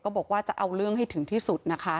บอกว่าจะเอาเรื่องให้ถึงที่สุดนะคะ